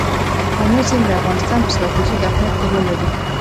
آمو سیند د افغانستان په ستراتیژیک اهمیت کې رول لري.